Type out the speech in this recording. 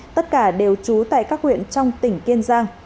tất cả đều trú tại các huyện trong tỉnh kiên giang